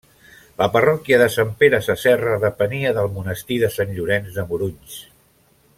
La parròquia de Sant Pere Sasserra depenia del monestir de Sant Llorenç de Morunys.